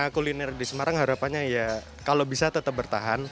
kuliner di semarang harapannya ya kalau bisa tetap bertahan